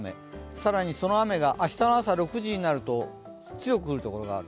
更にその雨が明日の朝６時になると強く降るところがある。